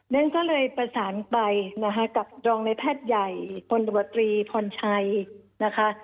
นั้นก็เลยประสานไปกับจองนายแพทย์ใหญ่พลธบตรีพ้อนชัยนะคะ